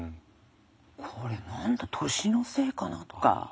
これ何だ年のせいかなとか。